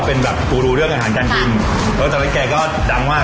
เป็นแบบกูรูเรื่องอาหารการกินแล้วตอนนั้นแกก็ดังมาก